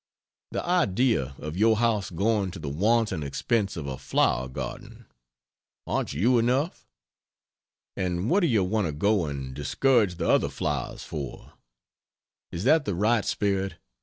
The idea of your house going to the wanton expense of a flower garden! aren't you enough? And what do you want to go and discourage the other flowers for? Is that the right spirit?